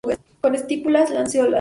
Con estípulas lanceoladas.